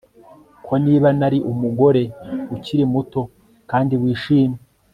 ko niba nari umugore ukiri muto kandi wishimye